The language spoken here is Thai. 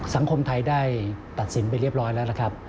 สังคมไทยได้ตัดสินไปเรียบร้อยแล้วนะครับ